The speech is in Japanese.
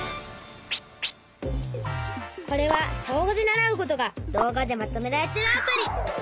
これは小５で習うことが動画でまとめられてるアプリ。